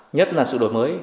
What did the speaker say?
nhất là sự đổi mới